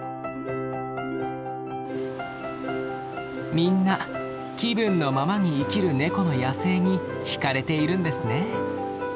みんな気分のままに生きるネコの野性にひかれているんですね。